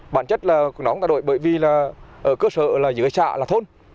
bản chất là nó không thay đổi bởi vì ở cơ sở dưới xã là thôn